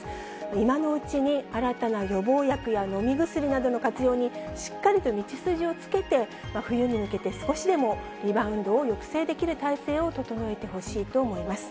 今のうちに、新たな予防薬や飲み薬などの活用に、しっかりと道筋をつけて、冬に向けて少しでもリバウンドを抑制できる体制を整えてほしいと思います。